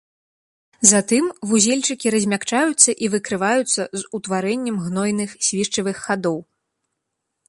Затым вузельчыкі размякчаюцца і выкрываюцца з утварэннем гнойных свішчавых хадоў.